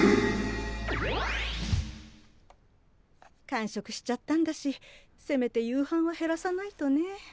間食しちゃったんだしせめて夕飯は減らさないとね。